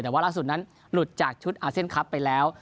แต่ว่าล่าสุดนั้นหลุดจากชุดอาเซียนคลับไปแล้ว